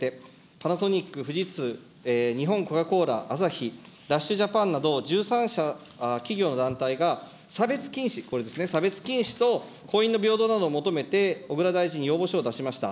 パナソニック、富士通、日本コカ・コーラ、あさひ、ダッシュジャパンなど、１３社、企業の団体が差別禁止、これですね、差別禁止と婚姻の平等などを求めて、小倉大臣に要望書を出しました。